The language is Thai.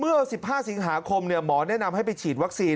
เมื่อ๑๕สิงหาคมหมอแนะนำให้ไปฉีดวัคซีน